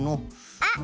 あっ！